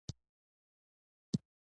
په اوومه پېړۍ کې یې خپل نفوذ پراخ کړی و.